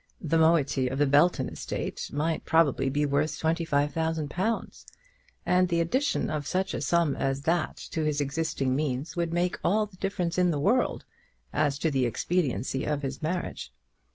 The moiety of the Belton estate might probably be worth twenty five thousand pounds, and the addition of such a sum as that to his existing means would make all the difference in the world as to the expediency of his marriage.